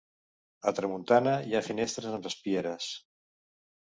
A tramuntana hi ha finestres amb espieres.